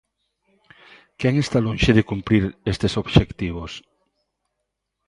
¿Quen está lonxe de cumprir estes obxectivos?